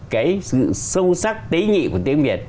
cái sự sâu sắc tế nhị của tiếng việt